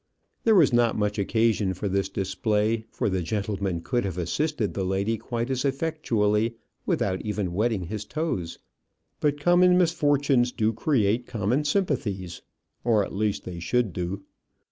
There was not much occasion for this display, for the gentleman could have assisted the lady quite as effectually without even wetting his toes; but common misfortunes do create common sympathies or at least they should do.